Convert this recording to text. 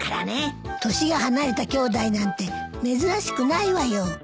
年が離れたきょうだいなんて珍しくないわよ。